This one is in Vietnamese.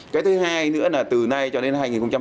cái thứ hai nữa là từ nay cho đến hai nghìn hai mươi